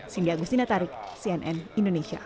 sindi agustina tarik cnn indonesia